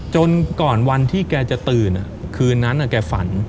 จนก่อนวันที่แกจะตื่นคืนนั้นแกฝัน